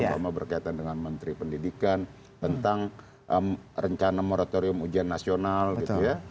umpama berkaitan dengan menteri pendidikan tentang rencana moratorium ujian nasional gitu ya